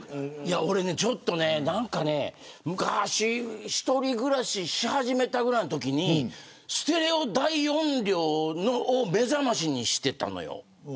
俺ちょっとね、昔１人暮らしし始めたぐらいのときにステレオ大音量を目覚ましにしていたのよ。